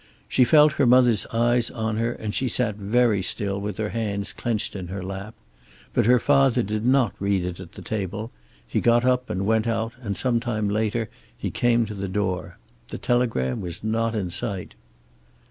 She felt her mother's eyes on her, and she sat very still with her hands clenched in her lap. But her father did not read it at the table; he got up and went out, and some time later he came to the door. The telegram was not in sight.